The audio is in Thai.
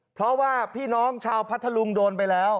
เพราะว่าพี่น้องชาวพัทธลุงโดนไปแล้ว